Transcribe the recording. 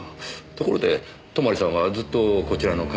ところで泊さんはずっとこちらの会社でお仕事を？